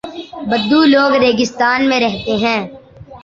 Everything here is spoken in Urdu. بدو لوگ ریگستان میں رہتے ہیں۔